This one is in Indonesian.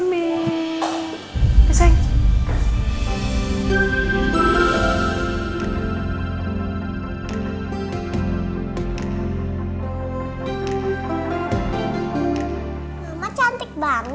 lihat siapa yang datang